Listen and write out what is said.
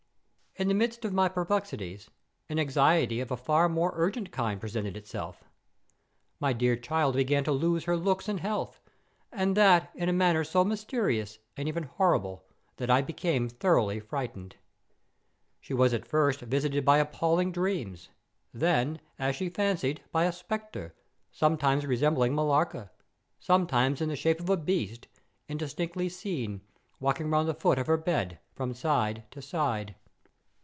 "In the midst of my perplexities, an anxiety of a far more urgent kind presented itself. "My dear child began to lose her looks and health, and that in a manner so mysterious, and even horrible, that I became thoroughly frightened. "She was at first visited by appalling dreams; then, as she fancied, by a specter, sometimes resembling Millarca, sometimes in the shape of a beast, indistinctly seen, walking round the foot of her bed, from side to side.